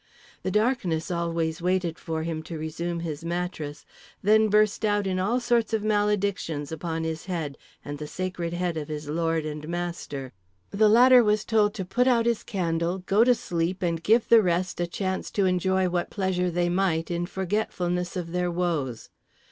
The darkness always waited for him to resume his mattress, then burst out in all sorts of maledictions upon his head and the sacred head of his lord and master. The latter was told to put out his candle, go to sleep and give the rest a chance to enjoy what pleasure they might in forgetfulness of their woes.